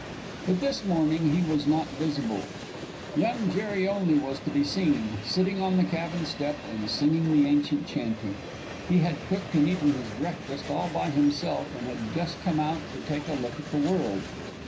But this morning he was not visible. Young Jerry only was to be seen, sitting on the cabin step and singing the ancient chantey. He had cooked and eaten his breakfast all by himself, and had just come out to take a look at the world.